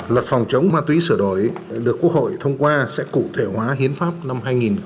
luật phòng chống ma túy sửa đổi được quốc hội thông qua sẽ cụ thể hóa hiến pháp năm hai nghìn một mươi ba